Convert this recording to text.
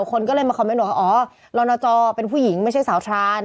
คนก็เลยมาคอมเมนต์ว่าอ๋อลอนจอเป็นผู้หญิงไม่ใช่สาวทราน